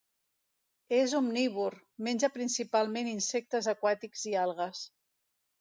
És omnívor: menja principalment insectes aquàtics i algues.